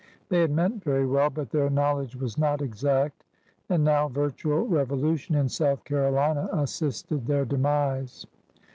They had meant very well, but their knowledge was not exact, and now virtual revolution in South Caro lina assisted their demise.